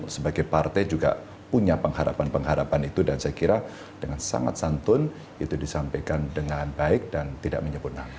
sebagai partai juga punya pengharapan pengharapan itu dan saya kira dengan sangat santun itu disampaikan dengan baik dan tidak menyebut nama